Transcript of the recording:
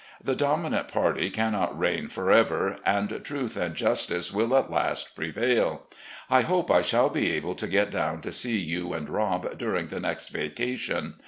The dominant party cannot reign forever, and truth and justice will at last prevail. I hope I shall be able to get down to see you and Rob during the next vacation.